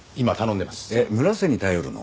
えっ村瀬に頼るの？